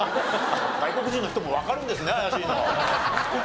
外国人の人もわかるんですね怪しいの。